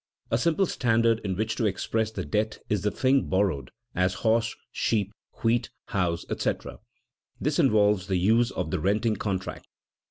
A simple standard in which to express the debt is the thing borrowed, as horse, sheep, wheat, house, etc. This involves the use of the renting contract.